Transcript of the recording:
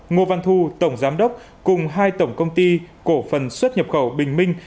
ngô văn thu tổng giám đốc cùng hai tổng công ty cổ phần xuất nhập khẩu bình minh